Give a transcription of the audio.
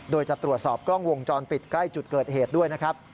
โดยจะตรวจสอบกล้องวงจรปิดใกล้จุดเกิดเหตุด้วยนะครับ